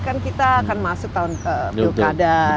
kan kita akan masuk tahun pilkada